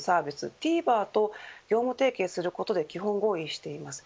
ＴＶｅｒと業務提携することで基本合意しています。